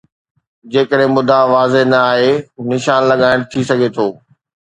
جيڪڏهن مدعا واضح نه آهي، نشان لڳائڻ ٿي سگهي ٿو.